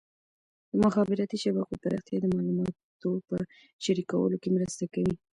د مخابراتي شبکو پراختیا د معلوماتو په شریکولو کې مرسته کوي.